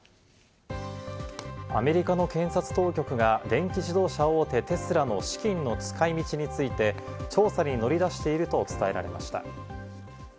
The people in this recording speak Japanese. アメリカの検察当局が電気自動車大手・テスラの資金の使い道について調査に乗り出していると伝えられました。